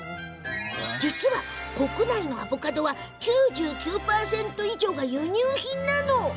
実は、国内のアボカドは９９％以上が輸入品なの。